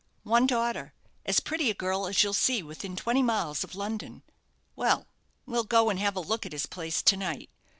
"One daughter as pretty a girl as you'll see within twenty miles of London!" "Well, we'll go and have a look at his place to night.